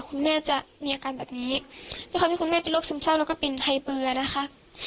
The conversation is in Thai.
คุณแม่จะมีอาการแบบนี้ด้วยความที่คุณแม่เป็นโรคซึมเศร้าแล้วก็เป็นไฮเบื่อนะคะ